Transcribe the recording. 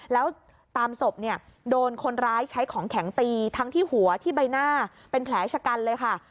แล้วตามศพเนี่ยโดนคนร้ายใช้ของแข็งตีทั้งที่หัวที่ใบหน้าเป็นแผลชะกันเลยค่ะ